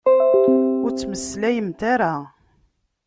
Ur ttmeslayemt ara!